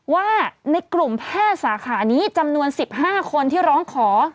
ว่าในกลุ่มแพทย์สาขานี้จำนวน๑๕คนที่ร้องขอ